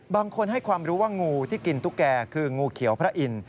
บางคนให้ความรู้ว่างูที่กินตุ๊กแก่คืองูเขียวพระอินทร์